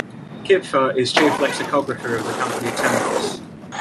Kipfer is Chief Lexicographer of the company Temnos.